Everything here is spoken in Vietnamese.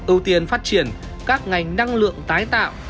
ưu tiên phát triển các ngành năng lượng tái tạo